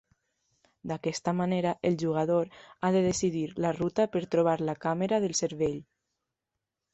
D'aquesta manera, el jugador ha de decidir la ruta per trobar la Càmera del cervell.